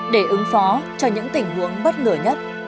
để ứng phó cho những tình huống bất ngờ nhất